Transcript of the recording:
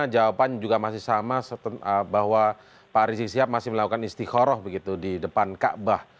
jawaban juga masih sama bahwa pak rizik sihab masih melakukan istiqoroh begitu di depan kaabah